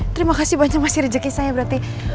terima kasih banyak mas si rejeki saya berarti